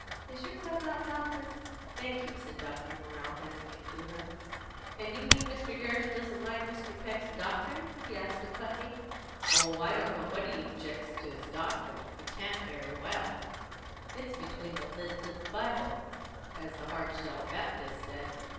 Is your cup out, doctor?" "Thank you," said the doctor, handing it up to her. "And you mean Mr. Gerrish doesn't like Mr. Peck's doctrine?" he asked of Putney. "Oh, I don't know that he objects to his doctrine; he can't very well; it's 'between the leds of the Bible,' as the Hard shell Baptist said.